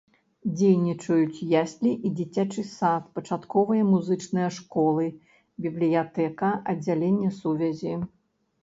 Дзейнічаюць яслі і дзіцячы сад, пачатковая і музычная школы, бібліятэка, аддзяленне сувязі.